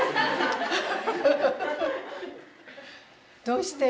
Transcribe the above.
どうして？